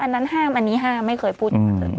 อันนั้นห้ามอันนี้ห้ามไม่เคยพูด